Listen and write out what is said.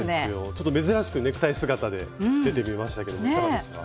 ちょっと珍しくネクタイ姿で出てみましたけどいかがですか？